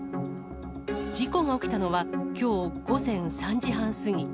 事故が起きたのは、きょう午前３時半過ぎ。